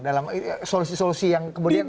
dalam solusi solusi yang kemudian